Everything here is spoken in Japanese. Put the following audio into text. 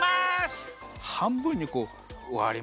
はんぶんにこうわりますね。